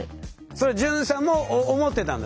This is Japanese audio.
それは潤さんも思ってたんだ